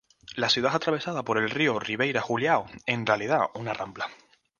La ciudad es atravesada por el río Ribeira Julião, en realidad una rambla.